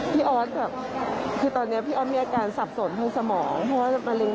พี่ออดแบบคือตอนเนี้ยพี่ออดมีอาการสับสนท้ายสมอง